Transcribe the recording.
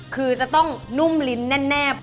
คือจะต้องนุ่มลิ้นแนบ